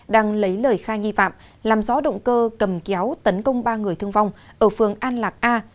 đang lấy lời khai nghi phạm làm rõ động cơ cầm kéo tấn công ba người thương vong ở phường an lạc a